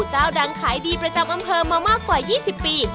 เจ้าดังขายดีประจำอำเภอมามากกว่า๒๐ปี